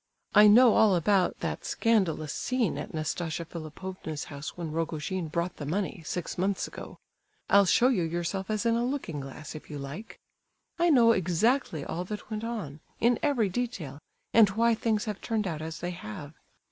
I know all about that scandalous scene at Nastasia Philipovna's house when Rogojin brought the money, six months ago. I'll show you yourself as in a looking glass, if you like. I know exactly all that went on, in every detail, and why things have turned out as they have.